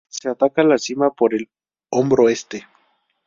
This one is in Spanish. Se ataca la cima por el hombro Este.